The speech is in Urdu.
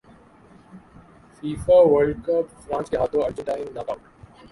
فیفاورلڈ کپ فرانس کے ہاتھوں ارجنٹائن ناک اٹ